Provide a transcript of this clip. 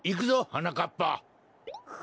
はなかっぱ！